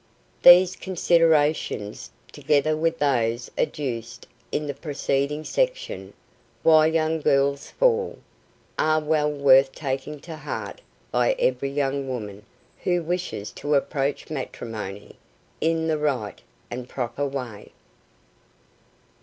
These considerations, together with those adduced in the preceding section, "Why Young Girls Fall," are well worth taking to heart by every young woman who wishes to approach matrimony in the right and proper way.